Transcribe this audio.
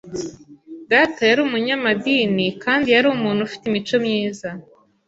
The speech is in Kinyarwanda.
Data yari umunyamadini kandi yari umuntu ufite imico myiza.